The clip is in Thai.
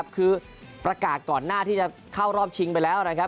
คือประกาศก่อนหน้าที่จะเข้ารอบชิงไปแล้วนะครับ